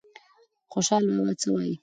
خوشال بابا څه وایي؟